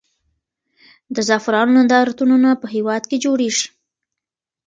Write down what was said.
د زعفرانو نندارتونونه په هېواد کې جوړېږي.